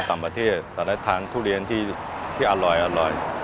pembangunan durian ekspor